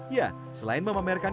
ya selain memampirkan